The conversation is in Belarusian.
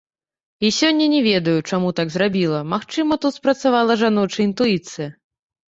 І сёння не ведаю, чаму так зрабіла, магчыма, тут спрацавала жаночая інтуіцыя.